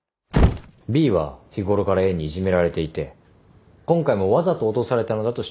Ｂは日頃からＡにいじめられていて今回もわざと落とされたのだと主張する。